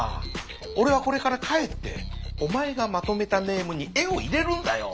おれはこれから帰っておまえがまとめたネームに絵を入れるんだよ。